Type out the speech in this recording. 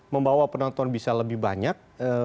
membawa penonton bisa lebih banyak